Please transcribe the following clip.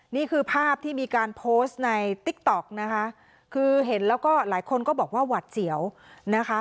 นี่คือภาพที่มีการโพสต์ในติ๊กต๊อกนะคะคือเห็นแล้วก็หลายคนก็บอกว่าหวัดเสียวนะคะ